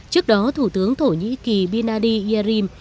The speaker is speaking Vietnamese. trước đó thủ tướng thổ nhĩ kỳ binali yadirim